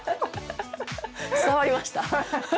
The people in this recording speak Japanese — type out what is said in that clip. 伝わりました？